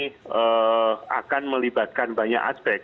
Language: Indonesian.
dan memang sekali lagi ini akan melibatkan banyak aspek